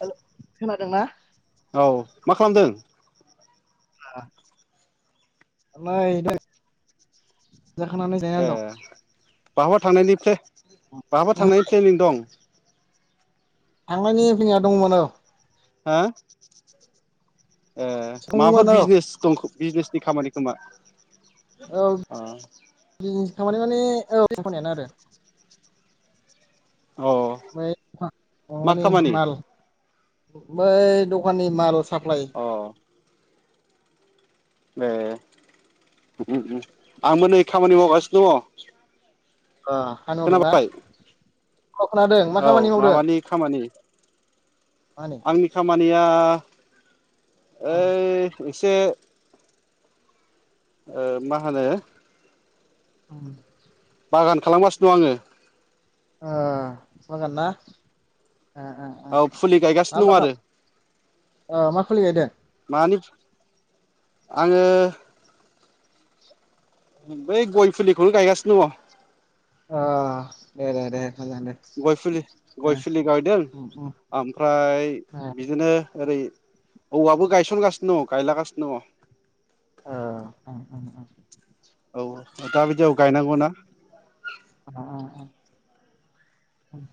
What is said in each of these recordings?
हेल' खोनादोंना? औ मा खालामदों? [unintelligible] [unintelligible] ए जिरायनानै दं बहाबा थांनायनि फ्ले बहाबा नोंहा थांनायनि प्लेनिं दं थांनायनि फ्लेनिंया दंमोन औ हो ए दंमोन माबाफोर औ बिजनेस दं खो बिजनेसनि खामानि खोमा औ ओ [unintelligible] ओफ्राय मा अमानि खामानि माल बै दखाननि माल साप्लाय अ ए ओम ओम आंबो नै खामानि मावगासिनो दङ ओ हालौदों ना? खोनाबाय खोनादों मा औ खामानि मावदों [inaudible] माबानि खामानि आंनि खामानिया [unintelligible] अ ओइ एसे ओ मा होनो [unintelligible] बागान खालामगासिनो दं आङो ओ बागान ना ओ ओ औ फुलि गायगासिनो दं ओ आरो [unintelligible] ओ मा खबरमोनदों मानि आङो बै गय फुलिखौनो गायगासिनो दङ अ दे दे दे मोजां दे गय फुलि गय ओ फुलि गायदों उम उम ओमफ्राय ओ बिदिनो ओरै औवाबो गायसन गासिनो दं गायला गासिनो दङ ओ ओम ओम ओम औ दा बायदियाव गायनांगौना? ओ ओ ओ ओम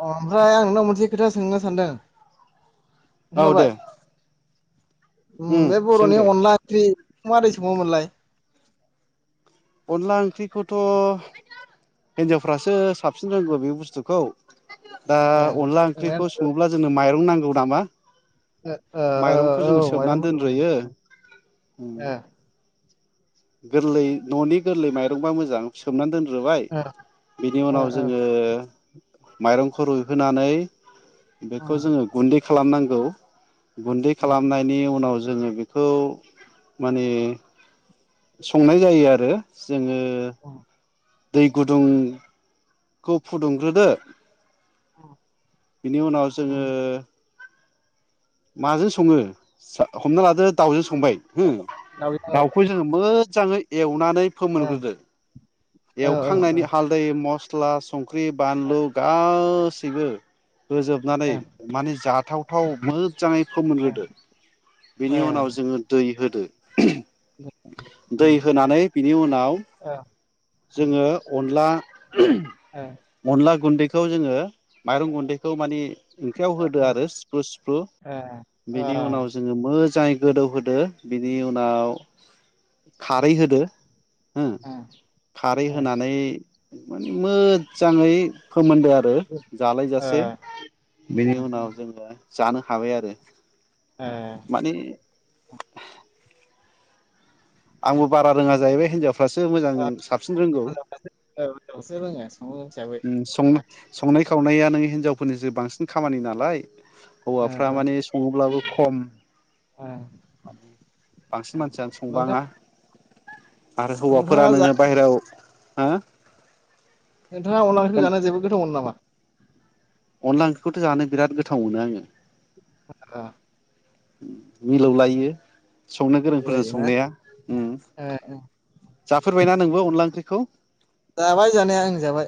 अ ओमफ्राय आं नोंनाव मोनसे खोथा सोंनो सानदों औ दे ओम उम बे सों बर'नि दे अनला ओंख्रि मारै संयोमोनलाय? अनला ओंख्रिखौथ' हिनजावफ्रासो साबसिन रोंगौ बे बुस्थुखौ दा ओ अनला ओंख्रिखौ सङोब्ला जोंनो माइरं नांगौ नामा ओ माइरंखौ औ जोङो माइरं सोमनानै नांगौ होनदों दोनग्रोयो। ओ गोरलै न'नि गोरलै माइरंबा मोजां सोमनानै दोन रोबाय बिनि ओ उनाव ओ जोङो माइरंखौ रुइहोनानै। बेखौ उम जोङो गुन्दै खालामनांगौ गौ। गुन्दै उम खालामनायनि उनाव जों जोङो बेखौ माने संनाय जायो आरो। जोङो उम दै गुदुंखौ फुदुंग्रोदो। [inaudible] बिन उनाव उम जोङो माजों सङो हमना लादो दाउजों स सांबाय हो दावजों औ दाउखौ जोङो मोजाङै समनानै औ फोमोनग्रोदो। औ ओ एवखांनायनि ओ हालदै मस सिस्ला संख्रि बानलु गासैबो फोजोबनानै माने जा थावथाव म मोजाङै फोमोनग्रोदो बेनि उनाव जोङो दै होद दो दै उम होनानै बिनि उनाव ओ जोङो अनला आ ओ अनला गुन्दैखौ जोङो माइरं गुन्दैखौ माने ओंख्रियाव होदो ओ आरो सिफ्र सिफ्र ओ बेनि उनाव जोङो मोजाङै गोदौ होदो बिनि उनाव खारै होदो। हो [inaudible] खारै होनानै मोजांयै सोमोन्दो आरो जालायजासे बेनि उनाव जोङो जानो हाबाय आरो माने आंबो बारा रोङा जाहैबाय हिनजाव फासो मोजां ओ साबसिन रोंगौ हिनजावफ्रासो रोङो संनो ओम हिसाबै संनो संनायखौ सावनाया नों हिनजावफोरनिसो बांसिन खामानि नालाय ओ हौवाफ्रा माने सङोब्लाबो खम ओ ओ। बांसिन मानसियानो नोंथां संबाङा आरो हौवाफोरा नोंथाङा जा नोङो बायहेरायाव हो नोंथाङा अनला ओंख्रिखो जानो जोबोद गोथाव मोनौ नामा? अनला ओंख्रिखौथ' जानो बिराद गोथाव मोनो आङो ओ मिलौलायो संनो गोरोंफोरनि बुंलायोना संनाया ओ ओ जाफेरबायना नोंबो अनला ओंख्रिखौ? जाबाय जानाया ओं जाबाय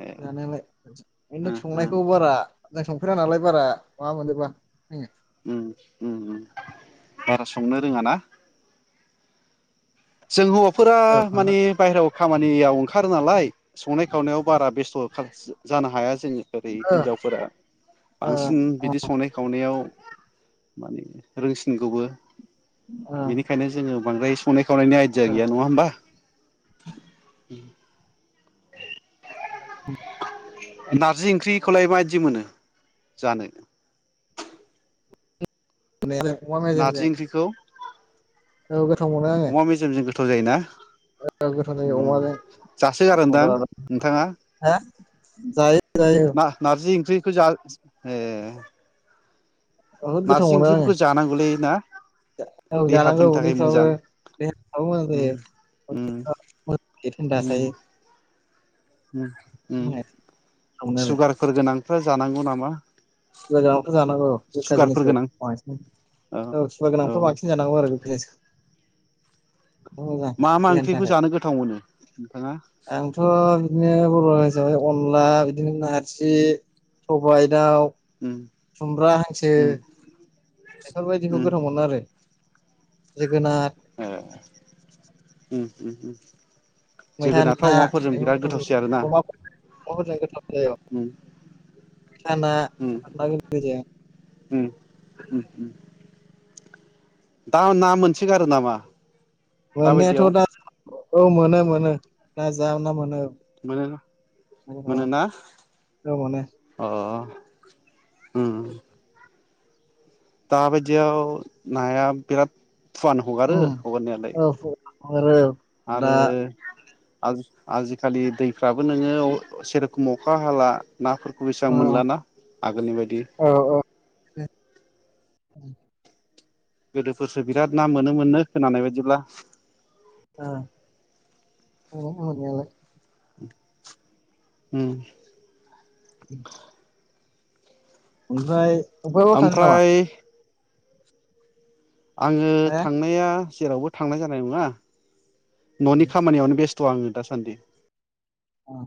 ए जानालाय बेनो उम संनायखौ बारा आं संफेरा नालाय बारा माबा मोनजोबा जोङो उम उम उम बारा संनो रोङा ना? जों हौ फोरा ओ माने बायहेरायाव खामानियाव ओंखारो नालाय संनाय खावनायाव बारा बेस्थ' खाज जानो हाया जों ओरै ओ हिन्जावफोरा ओ बांसिन बिदि संनाय खावनायाव माने रोंसिनगौबो ओ बेनिखायनो जोङो बांद्राय संनायाखौ खावनायनायनि आइडिया गैया नङा होनबा उम [inaudible] नारजि ओंख्रिखौलाय मायदि मोनो जानो? [unintelligible] अमा मेजेमजों नारजि ओंख्रिखौ औ गोथाव मोनो आङो । अमा मेजेमजों गोथाव जायोना? ओ गोथाव जायो उम अमाजों जासोगारोनदां मजा जागोन हो जायो जायो मा नारजि ओंख्रि खौ जा ए बहुद गोथाव नारजि मोनो आङो ओंख्रिफोरखौ जानांगौलै ना औ जानांगौ देहाफोरनि थाखाय उदैफ्राबोे मोजां देहाफ्राबो मोजां उम जायो उम थान्दा थायो । ओम ओम मोनो आरो सुगारफोर गोनां फ्रा जानांगौ नामा? सुगार गोनांयाथ' जानांगौ औ गोखा सुगारफोर जिनिसखौ गोनां बांसिन औ सोरबा औ गोनांथ' बांसिन जानांगौ आरो गोखा जिनिसखौ मोजां मा मा देहानि ओंख्रिखौ थाखाय जानो गोथाव मोनो नोंथाङा आंथ' बिदिनो बर' अनला बिदिनो नारजि सबाइ दाउ उम खुमब्रा हांसो उम बेफोरबायदिखौ गोथाव मोनो आरो । ओ ओ ओम ओम मैथा ना बेबो गोथाव जायो आरोना अमा अमाफोरजों गोथाव जायो उम मैथा ना उम मैथा गोखैजों उम उम उम दा ना मोनसोगारो नामा? दाबायदियाव मोनायाथ' दा औ मोनो मोनो ना जा ना मोनो ओ मोनो मोनोना मोनो अ उम दाबायदियाव नाया बिराद फुवानो हगारो उम हगारनायालाय औ आरो आरो दा आज-आजिखालि दैफ्राबो नोङो सेरखम अखा हाला नाफोरखौ औ बेसेबां मोनलाना आगोलनि बायदि औ औ गोदोफोरसो बिराद ना मोनो मोननो खोनानाय बायदिब्ला ओ नंगौ नंनायालाय उम उम ओमफ्राय अबेबाफोर थांगोन नामा? ओमफ्राय आङो थांनाया जेरावबो थांनाय जानाय नङा? न'नि खामानियावनो बेस थ' आङो दासान्दि। औ